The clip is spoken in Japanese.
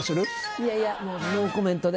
いやいやノーコメントで。